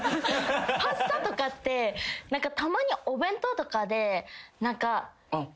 パスタとかってたまにお弁当とかで。